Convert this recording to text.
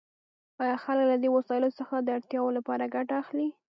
آیا خلک له دې وسایلو څخه د اړتیاوو لپاره ګټه اخلي؟